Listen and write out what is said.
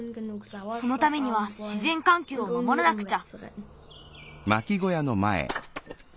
そのためにはしぜんかんきょうを守らなくちゃ。